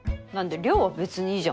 稜は別にいいじゃん。